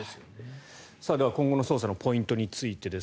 では、今後の捜査のポイントについてです。